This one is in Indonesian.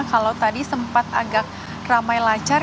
kalau tadi sempat agak ramai lancar